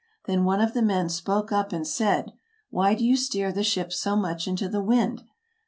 Then one of the men spoke up and said, "Why do you steer the ship so much into the wind